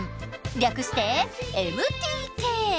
略して「ＭＴＫ」！